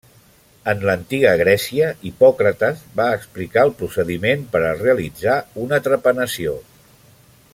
En l'antiga Grècia, Hipòcrates va explicar el procediment per a realitzar una trepanació.